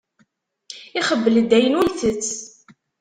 Ixebbel-d ayen ur itett.